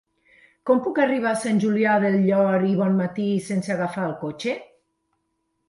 Com puc arribar a Sant Julià del Llor i Bonmatí sense agafar el cotxe?